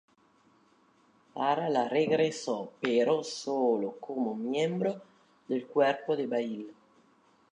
Para la regresó pero solo como miembro del cuerpo de baile.